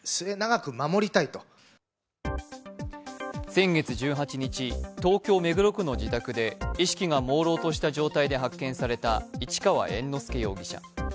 先月１８日、東京・目黒区の自宅で意識がもうろうとした状態で発見された市川猿之助容疑者。